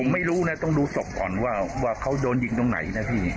ไม่รู้นะต้องดูศพก่อนว่าเขาโดนยิงตรงไหนนะพี่